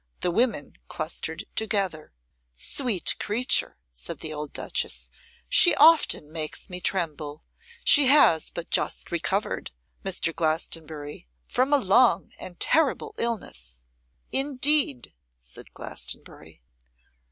The women clustered together. 'Sweet creature!' said the old duchess, 'she often makes me tremble; she has but just recovered, Mr. Glastonbury, from a long and terrible illness.' 'Indeed!' said Glastonbury.